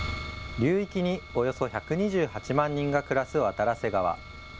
流域におよそ１２８万人が暮らす渡良瀬川。